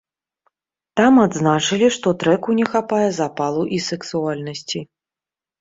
Там адзначылі, што трэку не хапае запалу і сэксуальнасці.